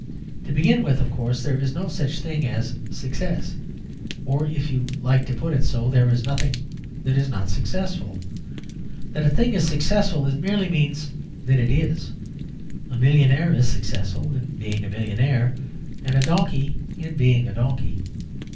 To begin with, of course, there is no such thing as Success. Or, if you like to put it so, there is nothing that is not successful. That a thing is successful merely means that it is; a millionaire is successful in being a millionaire and a donkey in being a donkey.